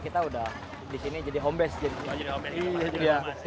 kita sudah disini jadi home base